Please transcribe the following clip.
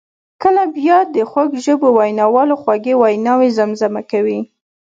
کله بیا د خوږ ژبو ویناوالو خوږې ویناوي زمزمه کوي.